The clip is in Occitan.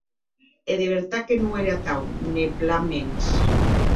E de vertat que non ère atau, ne plan mens.